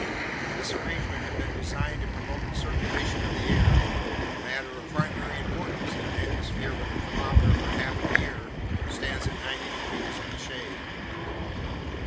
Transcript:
This arrangement had been designed to promote the circulation of the air a matter of primary importance in an atmosphere where the thermometer for half the year stands at 90 degrees in the shade.